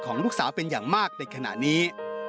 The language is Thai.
ลูกสาวเป็นอย่างมากในขณะนี้